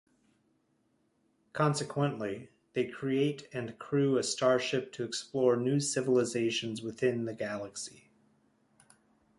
Consequently, they create and crew a starship to explore new civilizations within the galaxy.